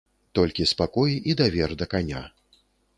Толькі спакой і давер да каня.